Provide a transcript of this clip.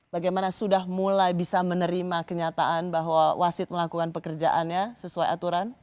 bagaimana sudah mulai bisa menerima kenyataan bahwa wasit melakukan pekerjaannya sesuai aturan